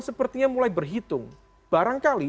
sepertinya mulai berhitung barangkali